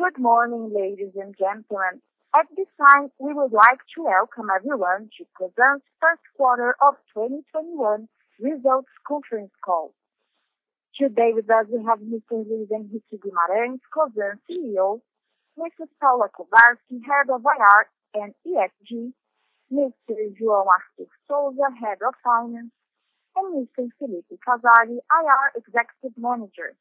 Good morning, ladies and gentlemen. At this time, we would like to welcome everyone to Cosan's Q1 of 2021 results conference call. Today with us, we have Mr. Luis Henrique Guimarães, Cosan's Chief Executive Officer, Mrs. Paula Kovarsky, Head of IR and ESG, Mr. João Arthur Souza, Head of Finance, and Mr. Felipe Casari, IR Executive Manager.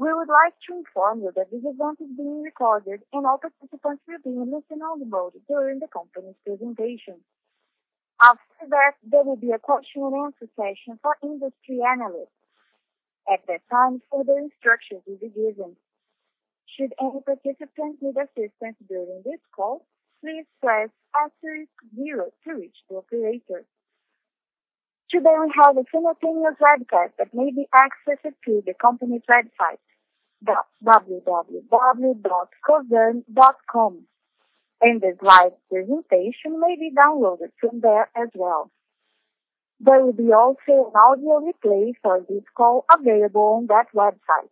We would like to inform you that this event is being recorded and all participants will be in listen-only mode during the company's presentation. After that, there will be a question and answer session for industry analysts. At that time, further instructions will be given. Should any participant need assistance during this call, please press asterisk zero to reach your operator. Today, we have a simultaneous slide deck that may be accessed through the company's website, www.cosan.com, and the live presentation may be downloaded from there as well. There will be also an audio replay for this call available on that website.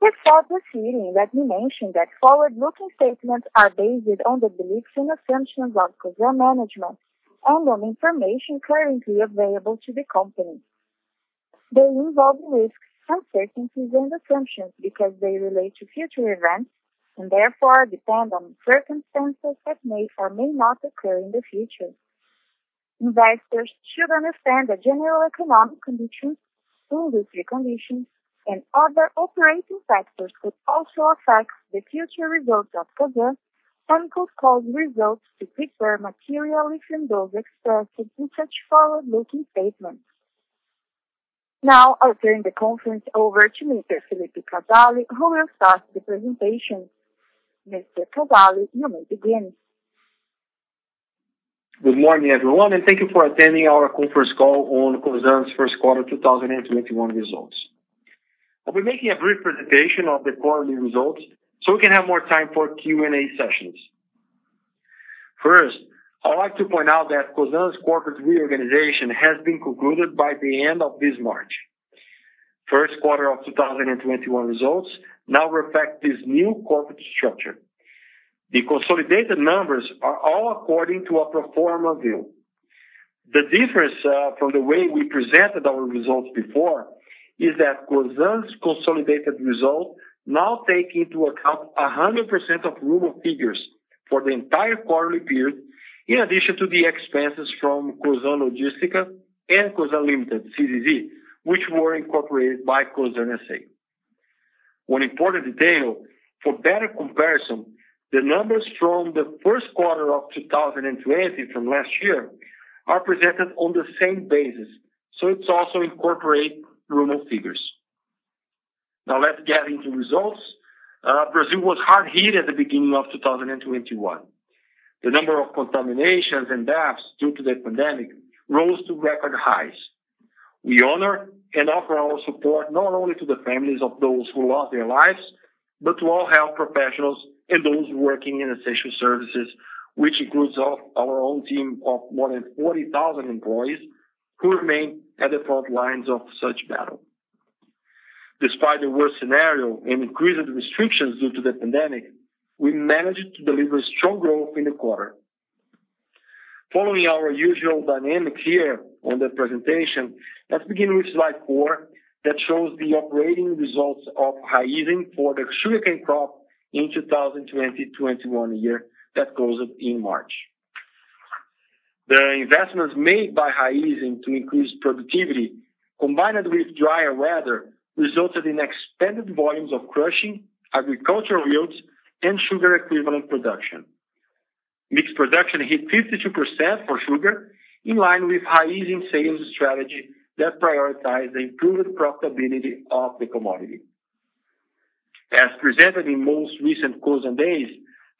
Let's start this meeting by mentioning that forward-looking statements are based on the beliefs and assumptions of Cosan management and on information currently available to the company. They involve risks, uncertainties, and assumptions because they relate to future events and therefore depend on circumstances that may or may not occur in the future. Investors should understand that general economic conditions, industry conditions, and other operating factors could also affect the future results of Cosan and could cause results to differ materially from those expressed in such forward-looking statements. I'll turn the conference over to Mr. Felipe Casari, who will start the presentation. Mr. Casari, you may begin. Good morning, everyone, and thank you for attending our conference call on Cosan's Q1 2021 results. I'll be making a brief presentation of the quarterly results so we can have more time for Q&A sessions. First, I would like to point out that Cosan's corporate reorganization has been concluded by the end of this March. Q1 of 2021 results now reflect this new corporate structure. The consolidated numbers are all according to a pro forma view. The difference from the way we presented our results before is that Cosan's consolidated results now take into account 100% of Raízen figures for the entire quarter period, in addition to the expenses from Cosan Logística and Cosan Limited, CZZ, which were incorporated by Cosan S.A. One important detail, for better comparison, the numbers from the Q1 of 2020 from last year are presented on the same basis, so it also incorporates Raízen figures. Let's get into results. Brazil was hard hit at the beginning of 2021. The number of contaminations and deaths due to the pandemic rose to record highs. We honor and offer our support not only to the families of those who lost their lives, but to all health professionals and those working in essential services, which includes our own team of more than 40,000 employees who remain at the front lines of such battle. Despite the worst scenario and increased restrictions due to the pandemic, we managed to deliver strong growth in the quarter. Following our usual dynamic here on the presentation, let's begin with slide four that shows the operating results of Raízen for the sugarcane crop in 2020/21 year that closed in March. The investments made by Raízen to increase productivity, combined with drier weather, resulted in expanded volumes of crushing, agricultural yields, and sugar equivalent production. Mixed production hit 52% for sugar, in line with Raízen sales strategy that prioritized the improved profitability of the commodity. As presented in most recent Cosan Days,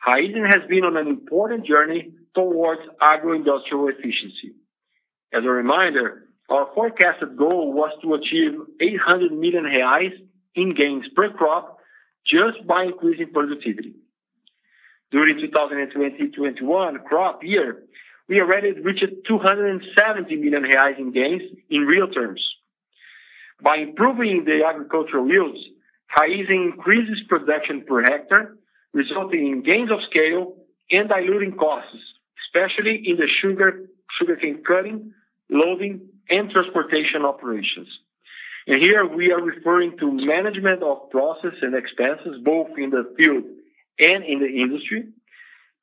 Raízen has been on an important journey towards agroindustrial efficiency. As a reminder, our forecasted goal was to achieve 800 million reais in gains per crop just by increasing productivity. During 2020/21 crop year, we already reached 270 million reais in gains in real terms. By improving the agricultural yields, Raízen increases production per hectare, resulting in gains of scale and diluting costs, especially in the sugarcane cutting, loading, and transportation operations. Here we are referring to management of process and expenses both in the field and in the industry,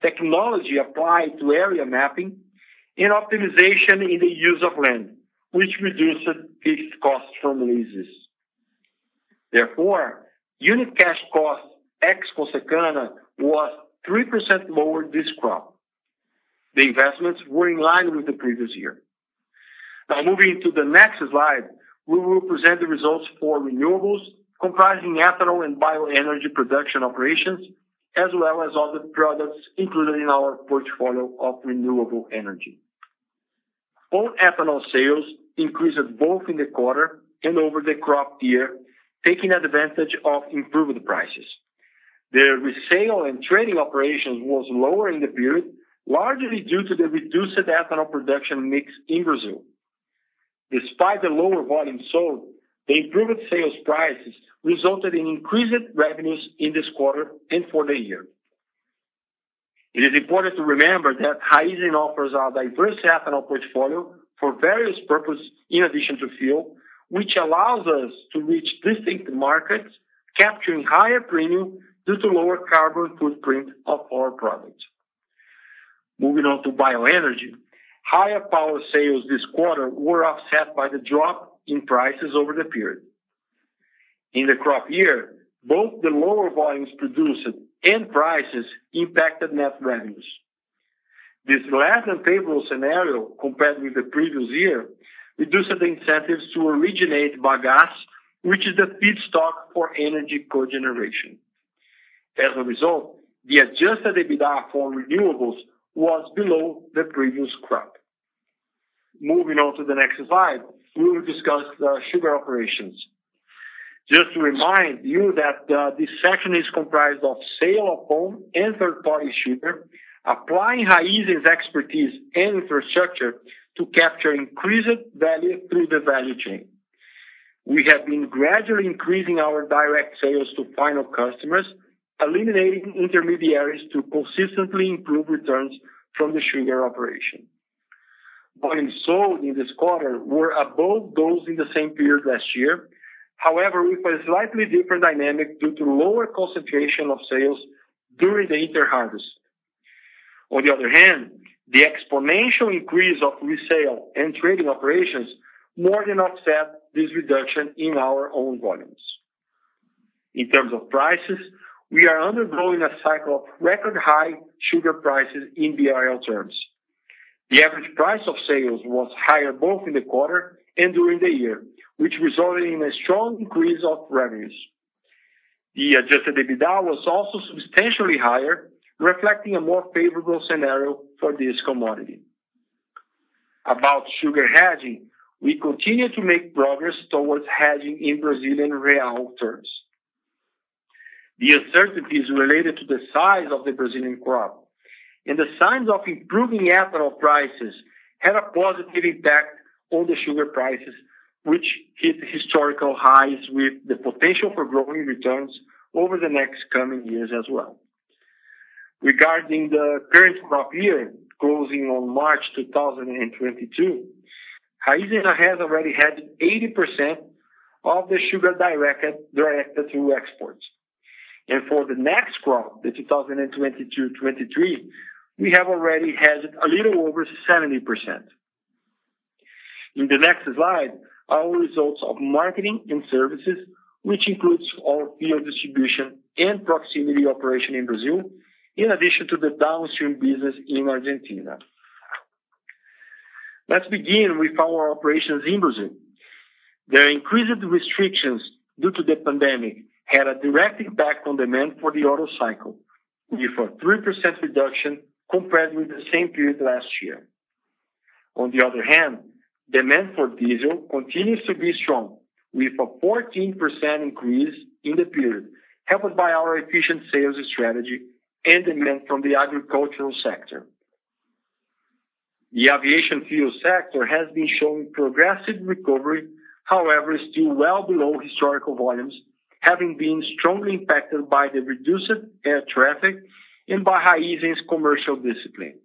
technology applied to area mapping, and optimization in the use of land, which reduces fixed costs from leases. Therefore, unit cash cost ex-CONSECANA was three pecent lower this crop. The investments were in line with the previous year. Now moving to the next slide, we will present the results for renewables, comprising ethanol and bioenergy production operations, as well as other products included in our portfolio of renewable energy. Both ethanol sales increased both in the quarter and over the crop year, taking advantage of improved prices. The resale and trading operations was lower in the period, largely due to the reduced ethanol production mix in Brazil. Despite the lower volume sold, the improved sales prices resulted in increased revenues in this quarter and for the year. It is important to remember that Raízen offers a diverse ethanol portfolio for various purpose in addition to fuel, which allows us to reach distinct markets, capturing higher premium due to lower carbon footprint of our products. Moving on to bioenergy, higher power sales this quarter were offset by the drop in prices over the period. In the crop year, both the lower volumes produced and prices impacted net revenues. This less than favorable scenario compared with the previous year reduced the incentives to originate bagasse, which is the feedstock for energy cogeneration. As a result, the adjusted EBITDA for renewables was below the previous crop. Moving on to the next slide, we will discuss the sugar operations. Just to remind you that this section is comprised of sale of own and third-party sugar, applying Raízen's expertise and infrastructure to capture increased value through the value chain. We have been gradually increasing our direct sales to final customers, eliminating intermediaries to consistently improve returns from the sugar operation. Volumes sold in this quarter were above those in the same period last year, however, with a slightly different dynamic due to lower concentration of sales during the interharvest. On the other hand, the exponential increase of resale and trading operations more than offset this reduction in our own volumes. In terms of prices, we are undergoing a cycle of record high sugar prices in BRL terms. The average price of sales was higher both in the quarter and during the year, which resulted in a strong increase of revenues. The adjusted EBITDA was also substantially higher, reflecting a more favorable scenario for this commodity. About sugar hedging, we continue to make progress towards hedging in Brazilian real terms. The uncertainties related to the size of the Brazilian crop and the signs of improving ethanol prices had a positive impact on the sugar prices, which hit historical highs with the potential for growing returns over the next coming years as well. Regarding the current crop year closing on March 2022, Raízen has already had 80% of the sugar directed through exports. For the next crop, the 2022/23, we have already hedged a little over 70%. In the next slide are results of marketing and services, which includes all field distribution and proximity operation in Brazil, in addition to the downstream business in Argentina. Let's begin with our operations in Brazil. The increased restrictions due to the pandemic had a direct impact on demand for the auto cycle, with a three percent reduction compared with the same period last year. On the other hand, demand for diesel continues to be strong, with a 14% increase in the period, helped by our efficient sales strategy and demand from the agricultural sector. The aviation fuel sector has been showing progressive recovery, however, still well below historical volumes, having been strongly impacted by the reduced air traffic and by Raízen's commercial discipline.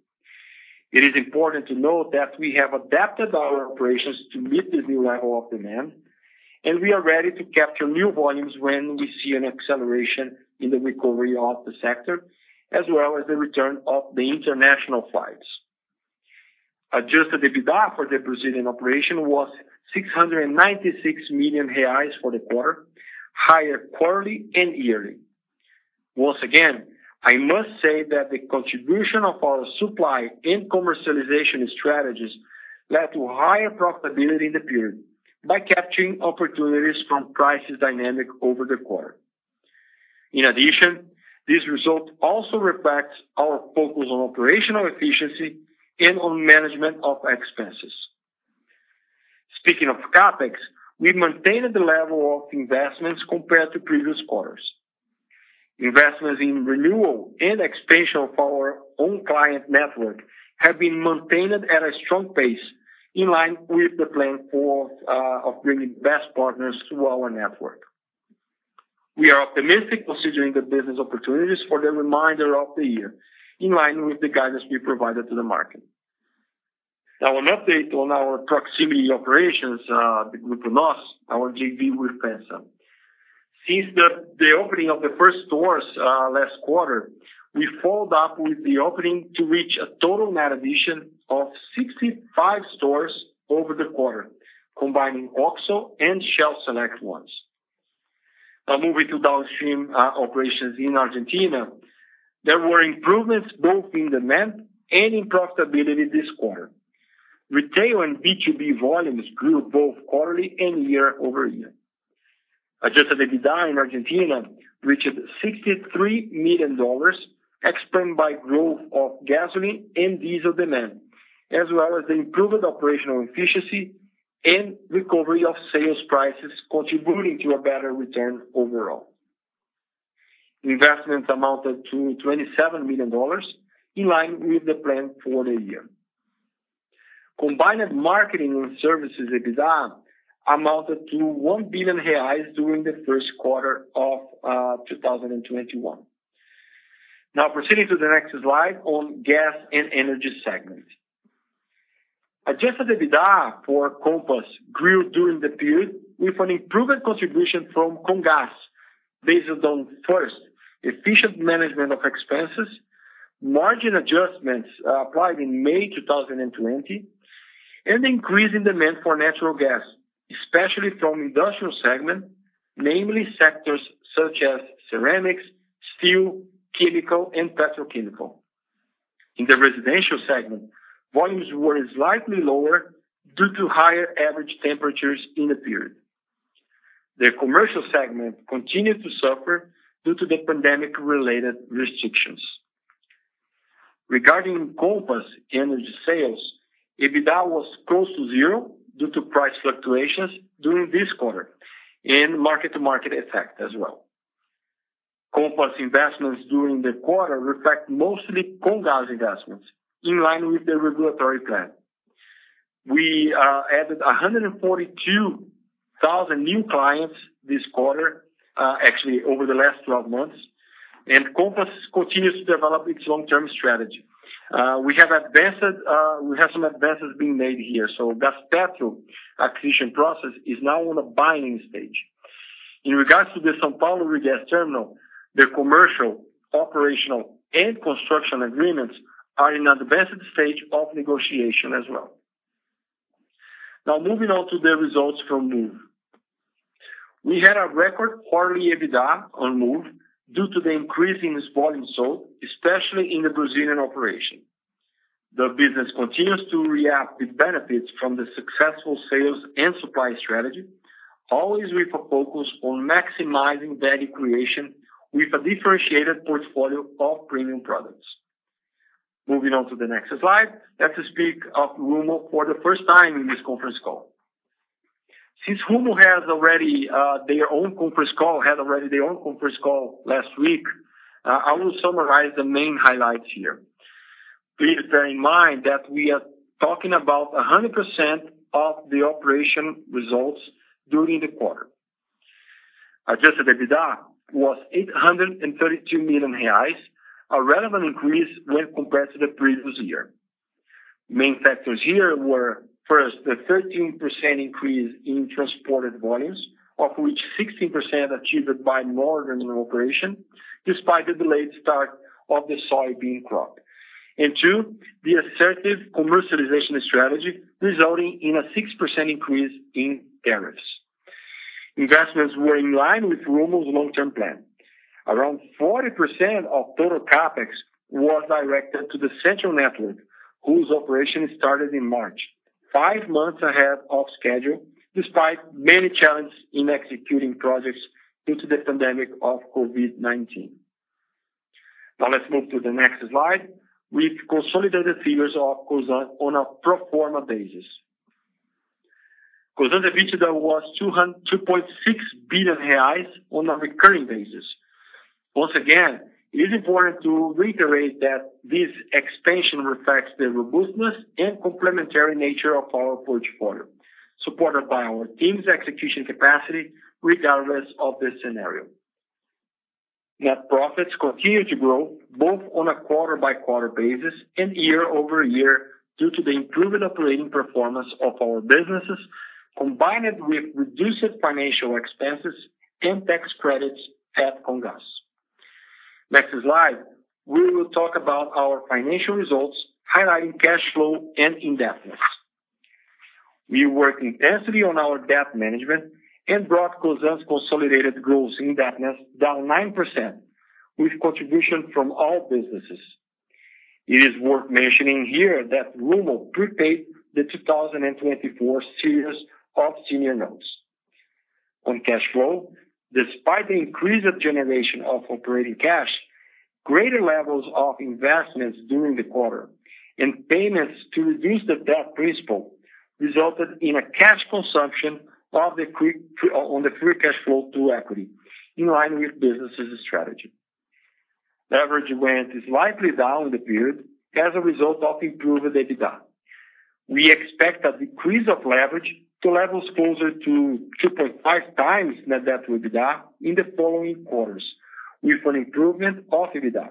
It is important to note that we have adapted our operations to meet the new level of demand, and we are ready to capture new volumes when we see an acceleration in the recovery of the sector, as well as the return of the international flights. Adjusted EBITDA for the Brazilian operation was 696 million reais for the quarter, higher quarterly and yearly. Once again, I must say that the contribution of our supply and commercialization strategies led to higher profitability in the period by capturing opportunities from prices dynamic over the quarter. This result also reflects our focus on operational efficiency and on management of expenses. Speaking of CapEx, we maintained the level of investments compared to previous quarters. Investments in renewal and expansion of our own client network have been maintained at a strong pace, in line with the plan of bringing best partners to our network. We are optimistic considering the business opportunities for the remainder of the year, in line with the guidance we provided to the market. An update on our proximity operations, the Grupo Nós, our JV with FEMSA. Since the opening of the first stores last quarter, we followed up with the opening to reach a total net addition of 65 stores over the quarter, combining OXXO and Shell Select ones. Moving to downstream operations in Argentina, there were improvements both in demand and in profitability this quarter. Retail and B2B volumes grew both quarterly and year-over-year. Adjusted EBITDA in Argentina reached $63 million. Driven by growth of gasoline and diesel demand, as well as improved operational efficiency and recovery of sales prices contributing to a better return overall. Investments amounted to $27 million, in line with the plan for the year. Combined marketing and services EBITDA amounted to 1 billion reais during the Q1 of 2021. Now proceeding to the next slide on gas and energy segment. Adjusted EBITDA for Compass grew during the period with an improved contribution from Comgás based on, first, efficient management of expenses, margin adjustments applied in May 2020, and increase in demand for natural gas, especially from industrial segment, namely sectors such as ceramics, steel, chemical, and petrochemical. In the residential segment, volumes were slightly lower due to higher average temperatures in the period. The commercial segment continued to suffer due to the pandemic-related restrictions. Regarding Comgás energy sales, EBITDA was close to 0 due to price fluctuations during this quarter and mark-to-market effect as well. Comgás investments during the quarter reflect mostly Comgás investments in line with the regulatory plan. We added 142,000 new clients this quarter, actually over the last 12 months. Comgás continues to develop its long-term strategy. We have some advances being made here. Gaspetro acquisition process is now on a binding stage. In regards to the São Paulo Regasification Terminal, the commercial, operational, and construction agreements are in advanced stage of negotiation as well. Moving on to the results from Moove. We had a record quarterly EBITDA on Moove due to the increase in volumes sold, especially in the Brazilian operation. The business continues to reap the benefits from the successful sales and supply strategy, always with a focus on maximizing value creation with a differentiated portfolio of premium products. Moving on to the next slide. Let's speak of Rumo for the first time in this conference call. Since Rumo had already their own conference call last week, I will summarize the main highlights here. Please bear in mind that we are talking about 100% of the operation results during the quarter. Adjusted EBITDA was 832 million reais, a relevant increase when compared to the previous year. Main factors here were, first, the 13% increase in transported volumes, of which 16% achieved by more than one operation, despite the delayed start of the soybean crop. Two, the assertive commercialization strategy resulting in a six percent increase in tariffs. Investments were in line with Rumo's long-term plan. Around 40% of total CapEx was directed to the Central Railroad, whose operation started in March, five months ahead of schedule, despite many challenges in executing projects into the pandemic of COVID-19. Let's move to the next slide with consolidated figures of Cosan on a pro forma basis. Cosan's EBITDA was R$2.6 billion on a recurring basis. Once again, it is important to reiterate that this expansion reflects the robustness and complementary nature of our portfolio, supported by our team's execution capacity, regardless of the scenario. Net profits continue to grow both on a quarter-by-quarter basis and year-over-year due to the improvement operating performance of our businesses, combined with reduced financial expenses and tax credits at Comgás. Next slide, we will talk about our financial results highlighting cash flow and indebtedness. We work intensely on our debt management and brought Cosan's consolidated gross indebtedness down nine percent with contribution from all businesses. It is worth mentioning here that Rumo prepaid the 2024 series of senior notes. On cash flow, despite the increase of generation of operating cash, greater levels of investments during the quarter and payments to reduce the debt principal resulted in a cash consumption on the free cash flow to equity, in line with business' strategy. Leverage went slightly down in the period as a result of improved EBITDA. We expect a decrease of leverage to levels closer to 2.5x net debt to EBITDA in the following quarters with an improvement of EBITDA.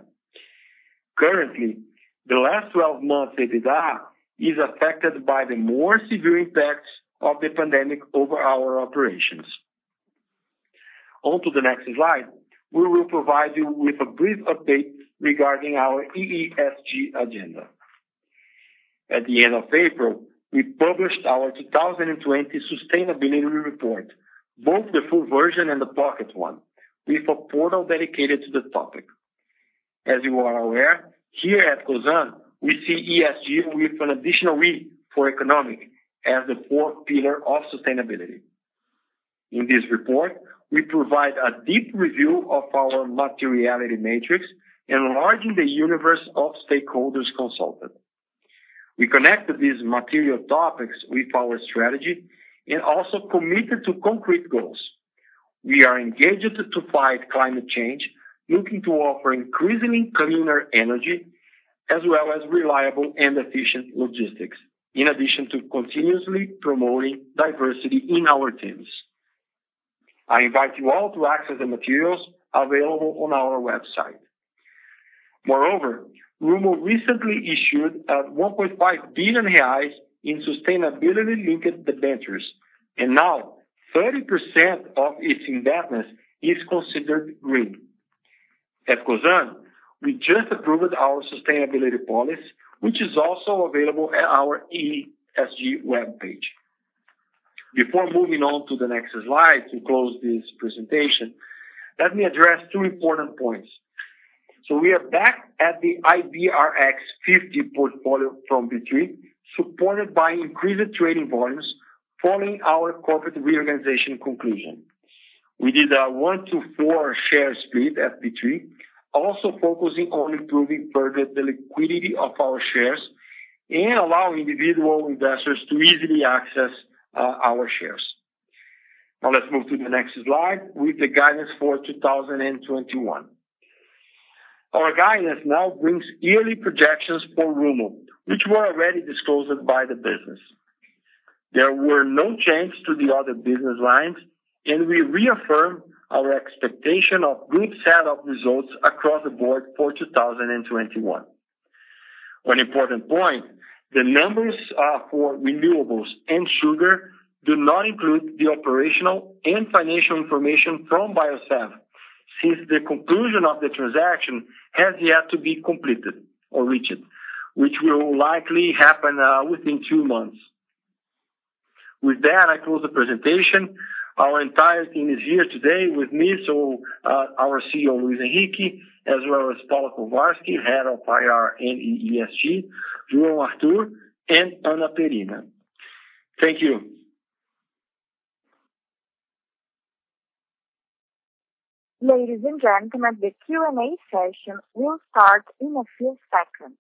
Currently, the last 12 months EBITDA is affected by the more severe impacts of the pandemic over our operations. On to the next slide, we will provide you with a brief update regarding our EEESG agenda. At the end of April, we published our 2020 sustainability report, both the full version and the pocket one, with a portal dedicated to the topic. As you are aware, here at Cosan, we see ESG with an additional E for economic as the fourth pillar of sustainability. In this report, we provide a deep review of our materiality matrix, enlarging the universe of stakeholders consulted. We connected these material topics with our strategy and also committed to concrete goals. We are engaged to fight climate change, looking to offer increasingly cleaner energy, as well as reliable and efficient logistics, in addition to continuously promoting diversity in our teams. I invite you all to access the materials available on our website. Rumo recently issued 1.5 billion reais in sustainability-linked debentures, and now 30% of its indebtedness is considered green. At Cosan, we just approved our sustainability policy, which is also available at our ESG webpage. Before moving on to the next slide to close this presentation, let me address two important points. We are back at the IBrX 50 portfolio from B3, supported by increased trading volumes following our corporate reorganization conclusion. We did a one-to-four share split at B3, also focusing on improving further the liquidity of our shares and allowing individual investors to easily access our shares. Let's move to the next slide with the guidance for 2021. Our guidance now brings yearly projections for Rumo, which were already disclosed by the business. There were no changes to the other business lines, and we reaffirm our expectation of good set of results across the board for 2021. One important point, the numbers for renewables and sugar do not include the operational and financial information from Biosev, since the conclusion of the transaction has yet to be completed or reached, which will likely happen within two months. With that, I close the presentation. Our entire team is here today with me, so our CEO, Luis Henrique, as well as Paula Kovarsky, Head of IR and ESG, João Arthur, and Ana Perina. Thank you. Ladies and gentlemen, the Q&A session will start in a few seconds.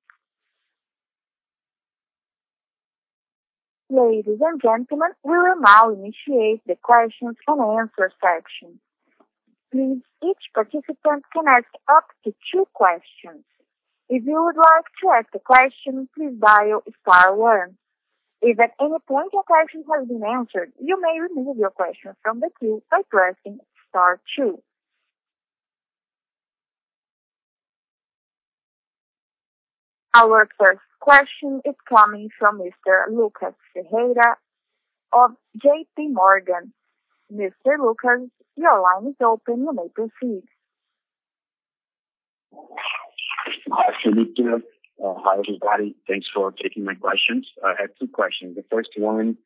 Ladies and gentlemen, we will now initiate the questions and answer section. Please, each participant can ask up to two questions. If you would like to ask a question, please dial star one. If at any point your question has been answered, you may remove your question from the queue by pressing star two. Our first question is coming from Mr. Lucas Ferreira of JPMorgan. Mr. Lucas, your line is open. You may proceed. Hi, Felipe. Hi, everybody. Thanks for taking my questions. I have two questions. The first one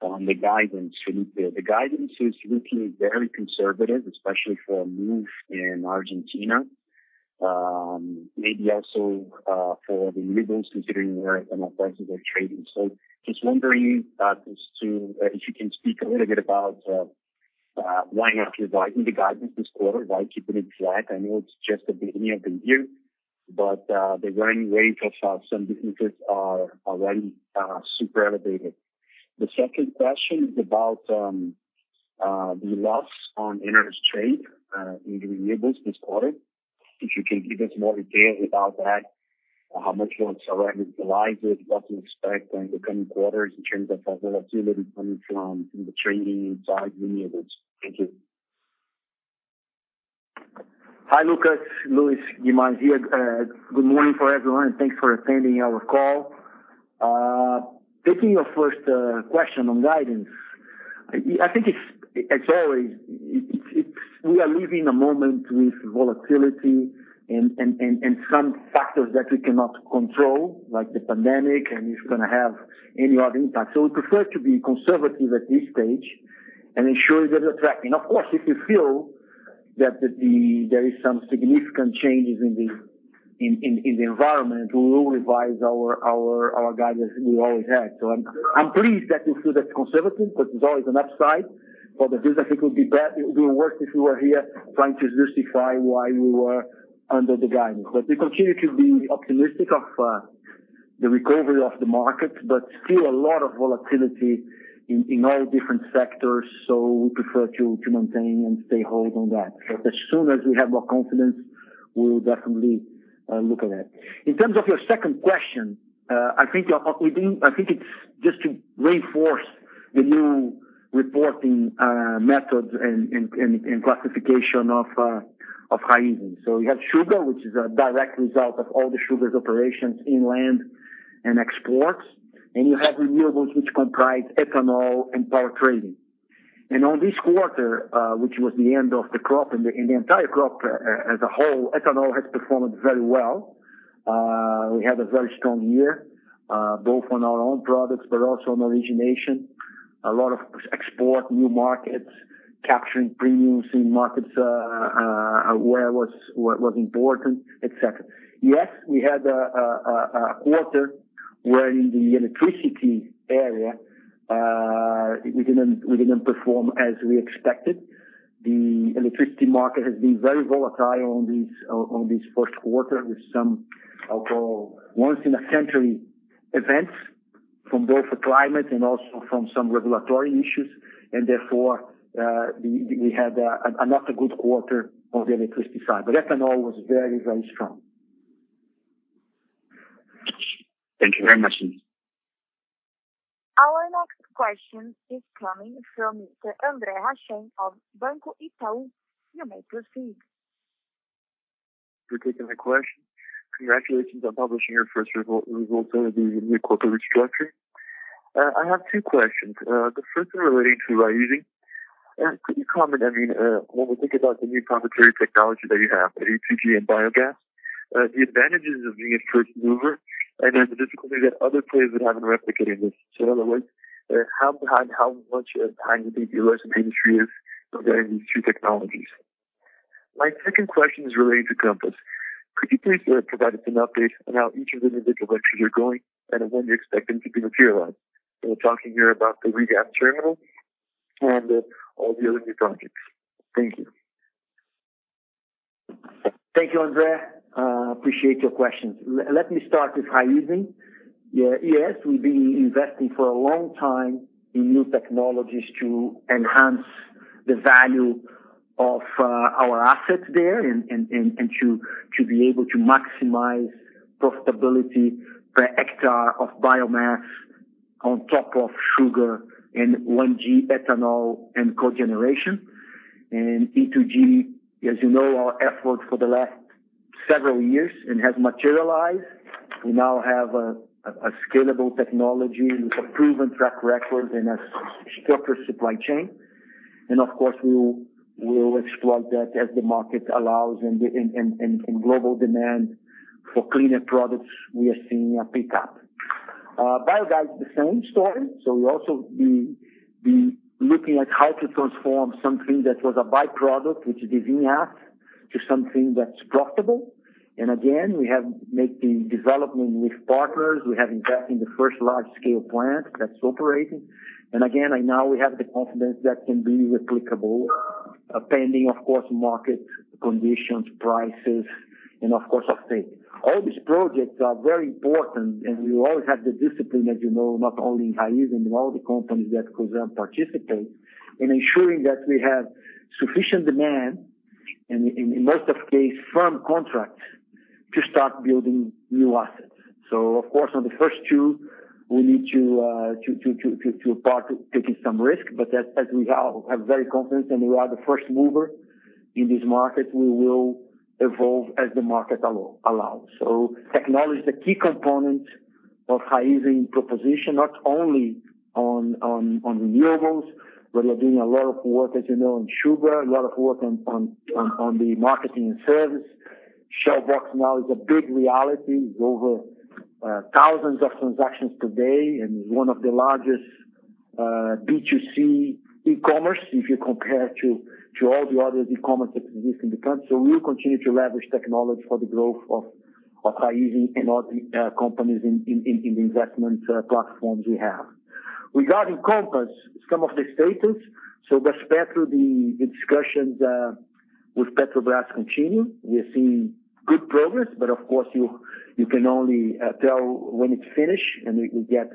on the guidance, Felipe. The guidance is looking very conservative, especially for Moove in Argentina, maybe also for the renewables considering where the prices are trading. Just wondering that as to if you can speak a little bit about why not revising the guidance this quarter, why keep it flat? I know it's just the beginning of the year, but the running rate of some businesses are already super elevated. The second question is about the loss on interest rate in renewables this quarter. If you can give us more detail about that, how much was recognized, what to expect in the coming quarters in terms of volatility coming from the trading side renewables. Thank you. Hi, Lucas. Luiz Guimas here. Good morning for everyone, and thanks for attending our call. Taking your first question on guidance. I think as always, we are living a moment with volatility and some factors that we cannot control, like the pandemic, and it's going to have any other impact. We prefer to be conservative at this stage and ensure that we're tracking. Of course, if we feel that there is some significant changes in the environment, we will revise our guidance, we always have. I'm pleased that you feel that's conservative because there's always an upside for the business. I think it will be worse if we were here trying to justify why we were under the guidance. We continue to be optimistic of the recovery of the market, still a lot of volatility in all different sectors, so we prefer to maintain and stay hold on that. As soon as we have more confidence, we'll definitely look at that. In terms of your second question, I think it's just to reinforce the new reporting methods and classification of Raízen. You have sugar, which is a direct result of all the sugar's operations inland and exports, and you have renewables, which comprise ethanol and power trading. On this quarter, which was the end of the crop and the entire crop as a whole, ethanol has performed very well. We had a very strong year, both on our own products but also on origination. A lot of export, new markets, capturing premiums in markets where was important, et cetera. Yes, we had a quarter Where in the electricity area, we didn't perform as we expected. The electricity market has been very volatile on this Q1, with some, I'll call once-in-a-century events from both the climate and also from some regulatory issues, and therefore, we had not a good quarter on the electricity side, but ethanol was very, very strong. Thank you very much. Our next question is coming from Mr. Andre Hachem of Banco Itaú. You may proceed. For taking my question. Congratulations on publishing your first results of the new corporate restructuring. I have two questions. The first one relating to Raízen. Could you comment, when we think about the new proprietary technology that you have, E2G and biogas, the advantages of being a first mover and then the difficulty that other players would have in replicating this. In other words, how much of time do you think the rest of the industry is building these two technologies? My second question is related to Compass. Could you please provide us an update on how each of the individual ventures are going and when you expect them to be materialized? We're talking here about the regas terminal and all the other new projects. Thank you. Thank you, Andre. Appreciate your questions. Let me start with Raízen. Yes, we've been investing for a long time in new technologies to enhance the value of our assets there and to be able to maximize profitability per hectare of biomass on top of sugar and 1G ethanol and cogeneration. E2G, as you know, our effort for the last several years and has materialized. We now have a scalable technology with a proven track record and a structured supply chain. Of course, we will explore that as the market allows and global demand for cleaner products, we are seeing a pickup. Biogas, the same story. We're also looking at how to transform something that was a by-product, which is the vinasse, to something that's profitable. Again, we have making development with partners. We have invested in the first large-scale plant that's operating. Again, now we have the confidence that can be replicable, pending of course, market conditions, prices, and of course, offtake. All these projects are very important, and we always have the discipline, as you know, not only in Raízen, in all the companies that Cosan participate in ensuring that we have sufficient demand, and in most of case, firm contracts to start building new assets. Of course, on the first two, we need to start taking some risk, but as we have very confidence and we are the first mover in this market, we will evolve as the market allows. Technology is a key component of Raízen proposition, not only on renewables, but we are doing a lot of work, as you know, in sugar, a lot of work on the marketing and service. Shell Box now is a big reality. It's over thousands of transactions today and is one of the largest B2C e-commerce if you compare to all the other e-commerce that exist in the country. We'll continue to leverage technology for the growth of Raízen and all the companies in the investment platforms we have. Regarding Compass, some of the status. With Petro, the discussions with Petrobras continue. We are seeing good progress, but of course, you can only tell when it's finished and we get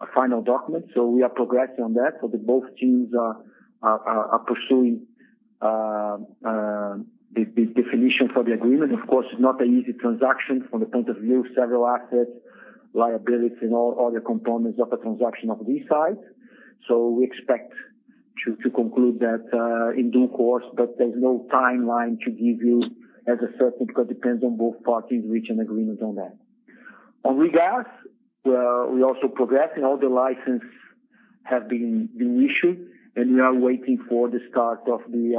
a final document. We are progressing on that. Both teams are pursuing the definition for the agreement. Of course, it's not an easy transaction from the point of view of several assets, liabilities, and all other components of a transaction of this size. We expect to conclude that in due course, but there's no timeline to give you as a certain because it depends on both parties reaching agreement on that. On regas, we're also progressing. All the licenses have been issued, and we are waiting for the start of the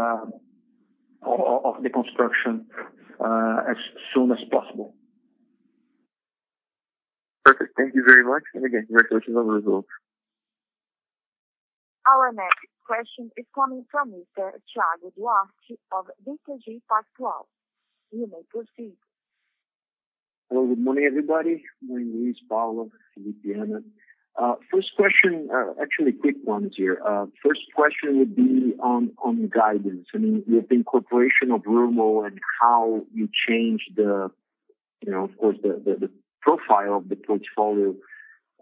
construction as soon as possible. Perfect. Thank you very much. Again, congratulations on the results. Our next question is coming from Mr. Thiago Duarte of BTG Pactual. You may proceed. Hello, good morning, everybody. Morning, Luis, Paula, Felipe, Ana. First question, actually quick ones here. First question would be on guidance. With the incorporation of Rumo and how you changed the profile of the portfolio,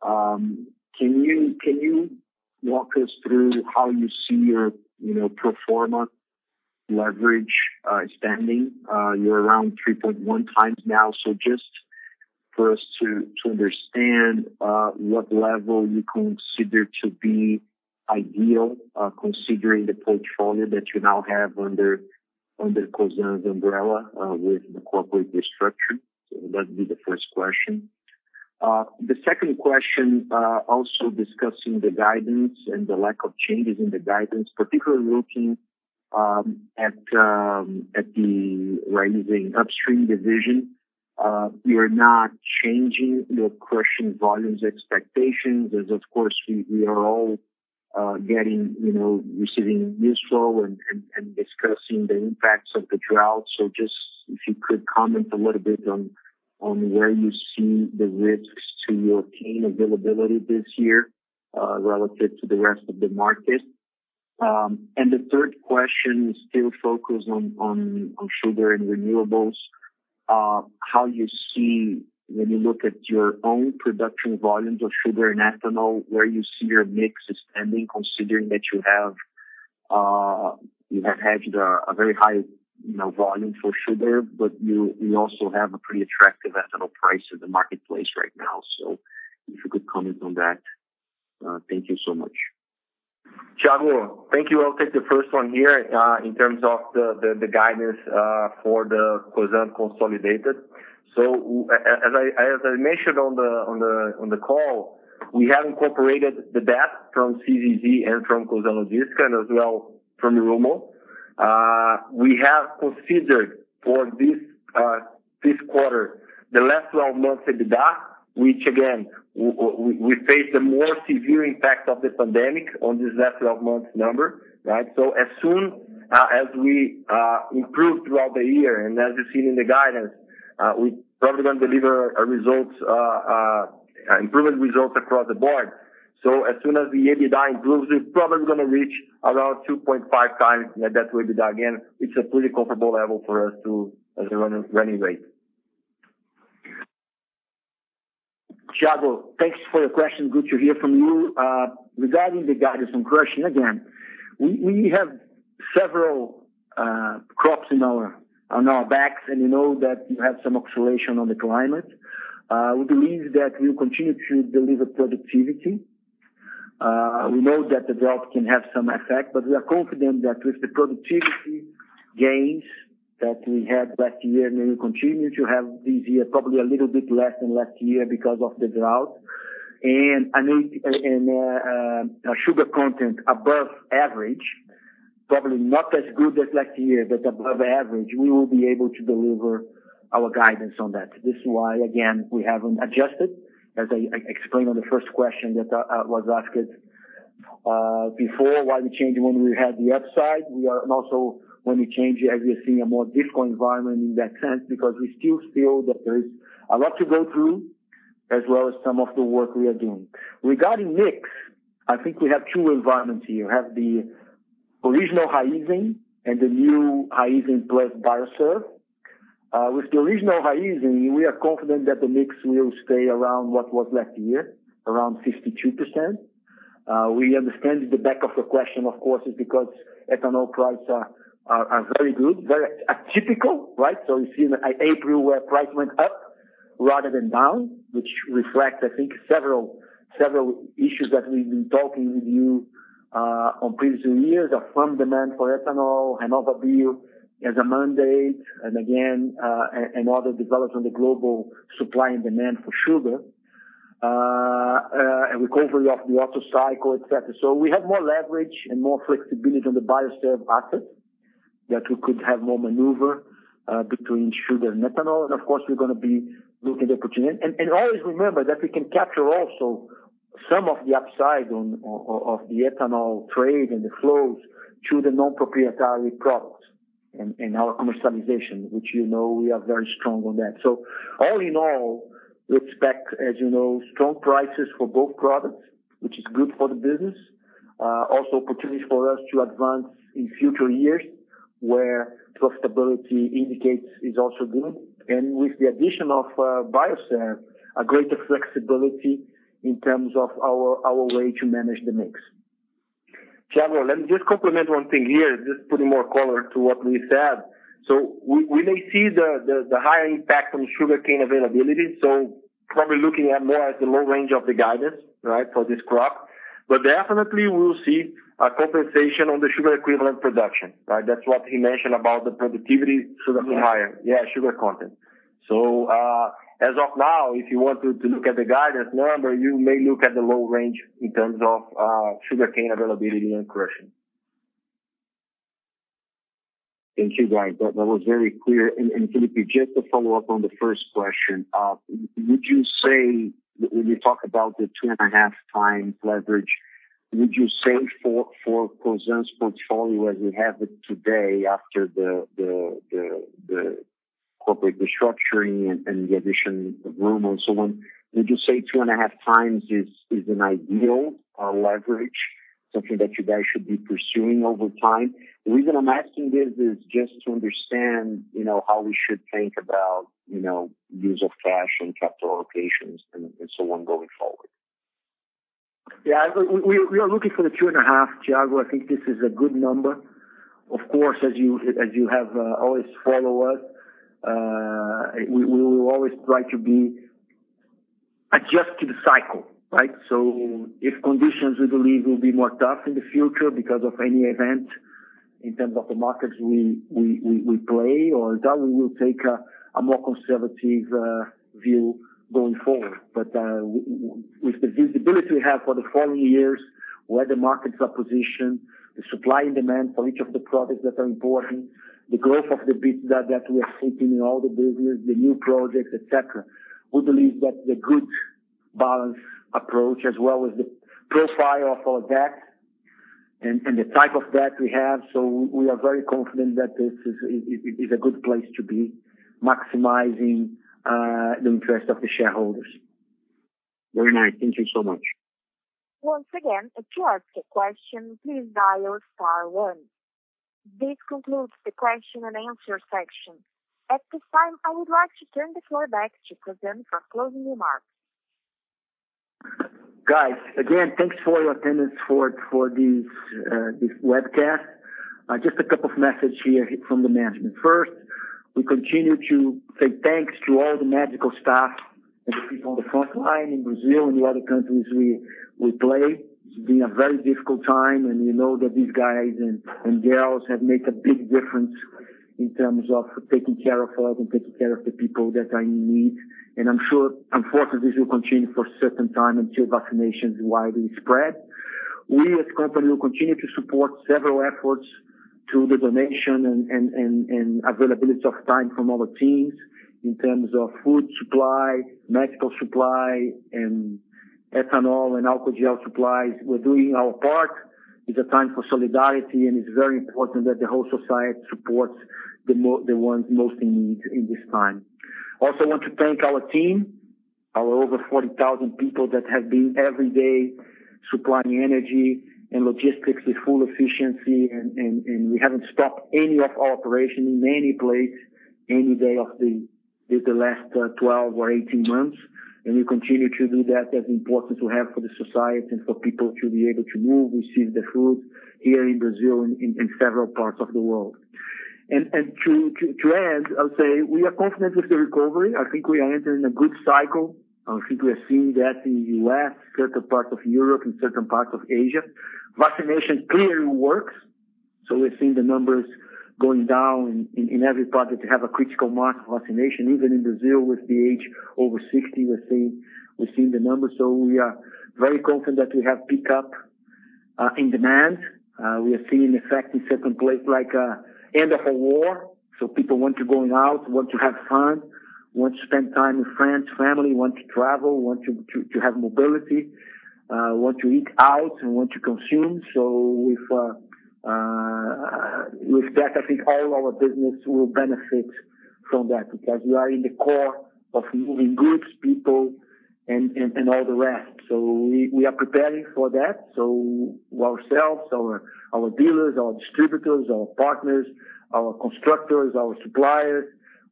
can you walk us through how you see your pro forma leverage standing? You're around 3.1x now, just for us to understand what level you consider to be ideal considering the portfolio that you now have under Cosan's umbrella with the corporate restructure. That'd be the first question. The second question, also discussing the guidance and the lack of changes in the guidance, particularly looking at the Raízen upstream division. You're not changing your crushing volumes expectations, as of course, we are all receiving useful and discussing the impacts of the drought. Just if you could comment a little bit on where you see the risks to your cane availability this year relative to the rest of the market. The third question is still focused on sugar and renewables. When you look at your own production volumes of sugar and ethanol, where you see your mix expanding, considering that you have had a very high volume for sugar, but we also have a pretty attractive ethanol price in the marketplace right now. If you could comment on that. Thank you so much. Thiago, thank you. I'll take the first one here in terms of the guidance for Cosan. As I mentioned on the call, we have incorporated the debt from CZZ and from Cosan as well from Rumo. We have considered for this quarter, the last 12 months EBITDA, which again, we face the more severe impact of the pandemic on this last 12 months number. As soon as we improve throughout the year, and as you've seen in the guidance, we're probably going to deliver improved results across the board. As soon as the EBITDA improves, we're probably going to reach around 2.5x net debt to EBITDA again. It's a pretty comfortable level for us as a running rate. Thiago, thanks for your question. Good to hear from you. Regarding the guidance on crushing, again, we have several crops on our backs, and you know that you have some oscillation on the climate. We believe that we'll continue to deliver productivity. We know that the drought can have some effect, but we are confident that with the productivity gains that we had last year, and we will continue to have this year, probably a little bit less than last year because of the drought. And a sugar content above average, probably not as good as last year, but above average, we will be able to deliver our guidance on that. This is why, again, we haven't adjusted, as I explained on the first question that was asked before, why the change when we had the upside. We are also going to change as we see a more difficult environment in that sense, because we still feel that there is a lot to go through, as well as some of the work we are doing. Regarding mix, I think we have two environments here. We have the original Raízen and the new Raízen plus Biosev. With the original Raízen, we are confident that the mix will stay around what was last year, around 62%. We understand the back of the question, of course, is because ethanol prices are very good, very atypical. We've seen in April where price went up rather than down, which reflects, I think, several issues that we've been talking with you on previous years of firm demand for ethanol and our view as a mandate. Again, other developments on the global supply and demand for sugar, and recovery of the auto cycle, et cetera. We have more leverage and more flexibility on the Biosev asset that we could have more maneuver between sugar and ethanol. Of course, we're going to be looking at opportunities. Always remember that we can capture also some of the upside of the ethanol trade and the flows through the non-proprietary products in our commercialization, which you know we are very strong on that. All in all, we expect, as you know, strong prices for both products, which is good for the business. Also opportunities for us to advance in future years where profitability indicates is also good. With the addition of Biosev, a greater flexibility in terms of our way to manage the mix. Thiago, let me just complement one thing here, just putting more color to what we said. We may see the high impact on sugar cane availability, so probably looking at more at the low range of the guidance for this crop. Definitely we'll see a compensation on the sugar equivalent production. That's what he mentioned about the productivity slightly higher. Yeah, sugar content. As of now, if you wanted to look at the guidance number, you may look at the low range in terms of sugar cane availability and crushing. Thank you, guys. That was very clear. Felipe, just to follow up on the first question. When you talk about the 2.5x leverage, would you say for Cosan's portfolio as we have it today after the corporate restructuring and the addition of Rumo and so on, would you say 2.5x is an ideal leverage? Something that you guys should be pursuing over time? The reason I'm asking this is just to understand how we should think about use of cash and capital allocations and so on going forward. Yeah, we are looking for the two and a half, Thiago. I think this is a good number. Of course, as you have always followed us, we will always try to be adjusted to cycle, right? If conditions we believe will be more tough in the future because of any event in terms of the markets we play or that we will take a more conservative view going forward. With the visibility we have for the following years, where the markets are positioned, the supply and demand for each of the products that are important, the growth of the EBITDA that we are seeing in all the business, the new projects, et cetera. We believe that the good balance approach, as well as the profile of our debt The type of debt we have. We are very confident that this is a good place to be maximizing the interest of the shareholders. Very nice. Thank you so much. This concludes the question and answer section. At this time, I would like to turn the floor back to Cosan for closing remarks. Guys, again, thanks for your attendance for this webcast. Just a couple of messages here from the management. First, we continue to say thanks to all the medical staff and the people on the front line in Brazil and the other countries we play. It's been a very difficult time, and we know that these guys and girls have made a big difference in terms of taking care of us and taking care of the people that are in need. I'm sure, unfortunately, this will continue for a certain time until vaccinations widely spread. We as a company will continue to support several efforts to the donation and availability of time from our teams in terms of food supply, medical supply, and ethanol and alcohol gel supplies. We're doing our part. It's a time for solidarity, and it's very important that the whole society supports the ones most in need in this time. Also want to thank our team, our over 40,000 people that have been every day supplying energy and logistics with full efficiency. We haven't stopped any of our operation in any place any day of the last 12 or 18 months. We continue to do that. That's important to have for the society and for people to be able to move, receive their foods here in Brazil and in several parts of the world. To add, I would say we are confident with the recovery. I think we are entering a good cycle. I think we are seeing that in U.S., certain parts of Europe, and certain parts of Asia. Vaccination clearly works, we're seeing the numbers going down in every part that have a critical mass of vaccination. Even in Brazil with the age over 60, we're seeing the numbers. We are very confident that we have picked up in demand. We are seeing effect in certain places like end of a war, so people want to going out, want to have fun, want to spend time with friends, family, want to travel, want to have mobility, want to eat out, and want to consume. With that, I think all our business will benefit from that because we are in the core of moving goods, people, and all the rest. We are preparing for that. Ourselves, our dealers, our distributors, our partners, our constructors, our suppliers,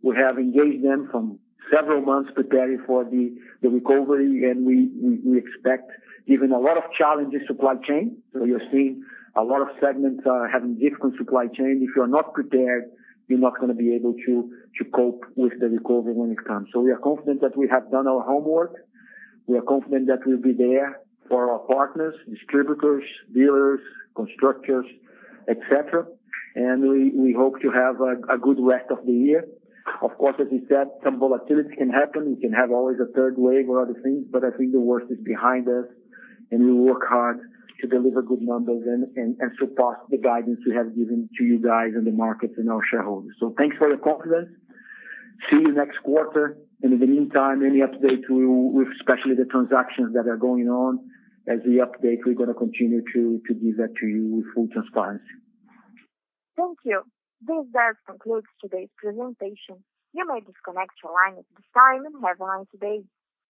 we have engaged them from several months preparing for the recovery, and we expect even a lot of challenges supply chain. You're seeing a lot of segments are having difficult supply chain. If you're not prepared, you're not going to be able to cope with the recovery when it comes. We are confident that we have done our homework. We are confident that we'll be there for our partners, distributors, dealers, constructors, et cetera. We hope to have a good rest of the year. Of course, as we said, some volatility can happen. We can have always a third wave or other things. I think the worst is behind us, and we work hard to deliver good numbers and surpass the guidance we have given to you guys in the markets and our shareholders. Thanks for your confidence. See you next quarter. In the meantime, any update, especially the transactions that are going on, as we update, we're going to continue to give that to you with full transparency. Thank you. This does conclude today's presentation. You may disconnect your line at this time, and have a nice day.